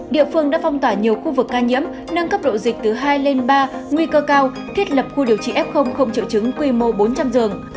địa phương đã phong tỏa nhiều khu vực ca nhiễm nâng cấp độ dịch từ hai lên ba nguy cơ cao thiết lập khu điều trị f không triệu chứng quy mô bốn trăm linh giường